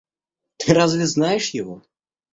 Ты разве знаешь его?